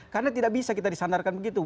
karena tidak bisa kita disandarkan begitu